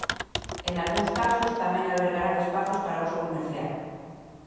E nalgúns casos tamén albergarán espazos para uso comercial.